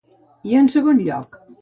I en segon lloc?